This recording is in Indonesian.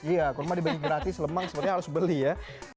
iya kurma dibagi gratis lemang sepertinya harus beli ya